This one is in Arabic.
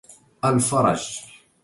الفَرَج